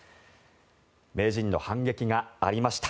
名人の反撃がありました